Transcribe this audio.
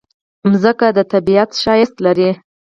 مځکه د طبیعت ښایست لري.